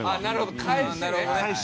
なるほどね。